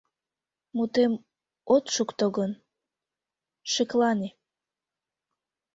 Мутем от шукто гын, шеклане.